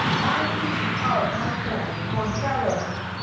Mind me of my boy—pore feller!